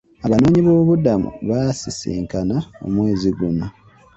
Abanoonyiboobubudamu baasisinkana omwezi guno.